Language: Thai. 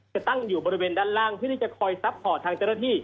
จะตั้งอยู่บริเวณด้านล่างที่จะคอยซัพพอร์ตทางเจริฐิ